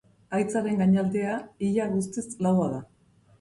Haitzaren gainaldea ia guztiz laua da.